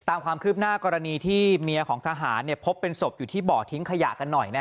ตามความคืบหน้ากรณีที่เมียของทหารพบเป็นศพอยู่ที่บ่อทิ้งขยะกันหน่อย